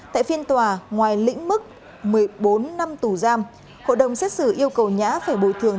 tại phiên tòa ngoài lĩnh mức một mươi bốn năm tù giam hội đồng xét xử yêu cầu nhã phải bồi thường